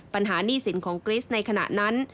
ปัญหานี่สินของกรีสในขณะนั้น